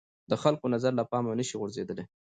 د خلکو نظر له پامه نه شي غورځېدلای